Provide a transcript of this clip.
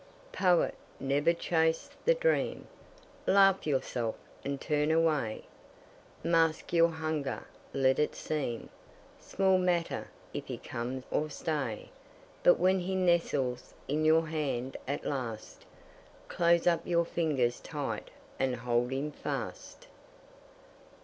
Poet, never chase the dream. Laugh yourself and turn away. Mask your hunger; let it seem Small matter if he come or stay; But when he nestles in your hand at last, Close up your fingers tight and hold him fast.